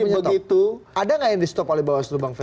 jadi begitu ada nggak yang di setop oleh bawaslu bang ferry